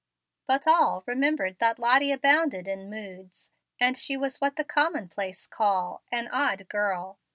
But all remembered that Lottie abounded in moods, and she was what the commonplace call "an odd girl."